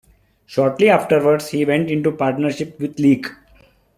Shortly afterwards he went into partnership with Leake.